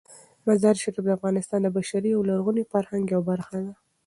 مزارشریف د افغانستان د بشري او لرغوني فرهنګ یوه برخه ده.